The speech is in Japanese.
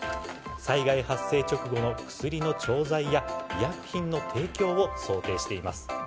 災害発生直後の薬の調剤や医薬品の提供を想定しています。